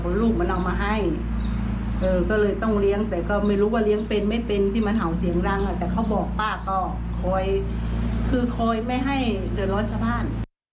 คือคอยไม่ให้เดินรถชะพาน